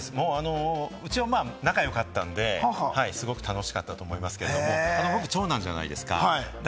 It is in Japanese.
うちは仲が良かったんで、すごく楽しかったと思いますけれども、僕、長男じゃないですか。